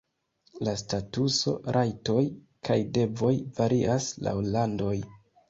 La statuso, rajtoj kaj devoj varias laŭ landoj.